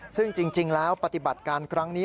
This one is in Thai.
ซึ่งจริงแล้วปฏิบัติการครั้งนี้